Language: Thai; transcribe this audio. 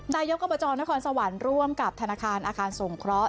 นายกอบจนครสวรรค์ร่วมกับธนาคารอาคารสงเคราะห